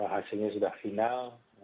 hasilnya sudah final